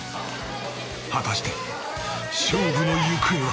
果たして勝負の行方は！？